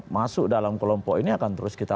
masuk dalam kelompok ini akan terus kita